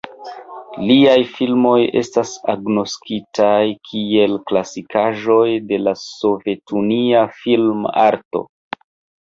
Liaj filmoj estas agnoskitaj kiel klasikaĵoj de la sovetunia film-arto.